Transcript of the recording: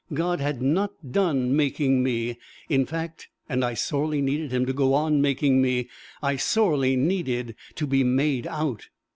God had not done making me, in fact, and I sorely needed him to go on making me; I sorely needed to be made out!